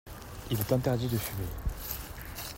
Il est interdit de fumer.